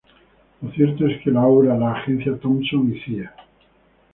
Lo cierto es que la obra "La agencia Thompson y Cía.